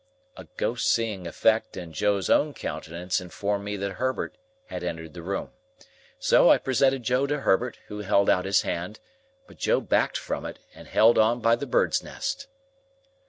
A ghost seeing effect in Joe's own countenance informed me that Herbert had entered the room. So, I presented Joe to Herbert, who held out his hand; but Joe backed from it, and held on by the bird's nest.